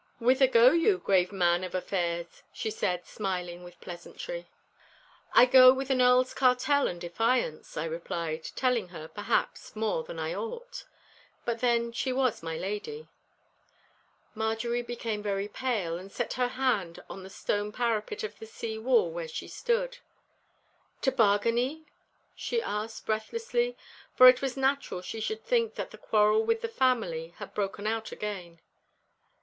'Whither go you, grave man of affairs?' she said, smiling with pleasantry. 'I go with an Earl's cartel and defiance,' I replied, telling her, perhaps, more than I ought. But then she was my lady. Marjorie became very pale and set her hand on the stone parapet of the sea wall where she stood. 'To Bargany?' she asked, breathlessly, for it was natural she should think that the quarrel with the family had broken out again.